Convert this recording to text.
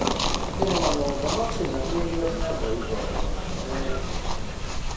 でも黙って泣き寝入りはしない方がいいとは思いますよね。